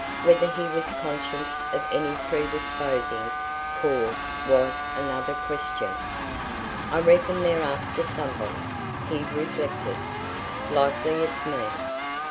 Whether he was conscious of any predisposing cause was another question. "I reckon they're after somebody," he reflected; "likely it's me."